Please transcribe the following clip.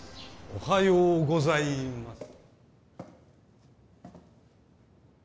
おはようございます